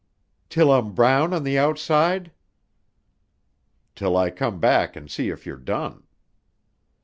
"Till I'm brown on the outside?" "Till I come back and see if you're done."